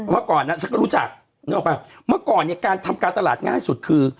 เมื่อก่อนน่ะฉันก็รู้จักเมื่อก่อนการทำการตลาดง่ายสุดคือ